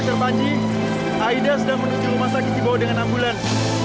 dokter panji aida sedang menuju rumah sakit dibawah dengan ambulans